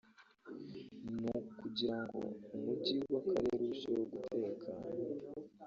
n’ukugirango umujyi wa karere urusheho gutekana